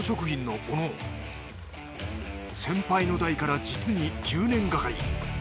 先輩の代から実に１０年がかり。